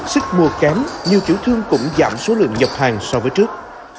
sức mua kém nhiều tiểu thương cũng giảm số lượng nhập hàng so với trước